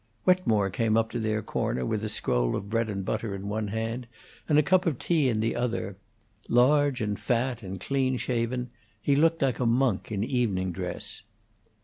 Wetmore came up to their corner, with a scroll of bread and butter in one hand and a cup of tea in the other. Large and fat, and clean shaven, he looked like a monk in evening dress.